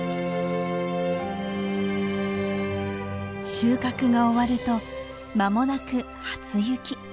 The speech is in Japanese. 収穫が終わると間もなく初雪。